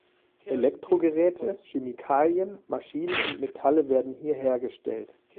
Elektrogeräte, Chemikalien, Maschinen und Metalle werden hier hergestellt.